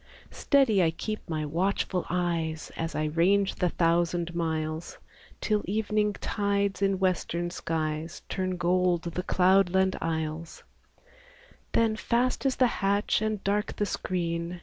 Steady I keep my watchful eyes, As I range the thousand miles. Till evening tides in western skies Turn gold the cloudland isles; Then fast is the hatch and dark the screen.